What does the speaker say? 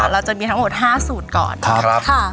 เราจะมีทั้งหมด๕สูตรก่อน